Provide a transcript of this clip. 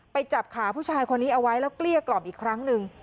จับขาผู้ชายคนนี้เอาไว้แล้วเกลี้ยกล่อมอีกครั้งหนึ่ง